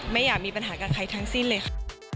ไม่อยากมีปัญหากับใครทั้งสิ้นเลยค่ะ